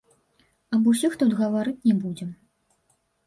Аб усіх тут гаварыць не будзем.